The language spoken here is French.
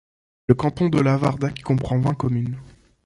Le canton de Lavardac comprend vingt communes.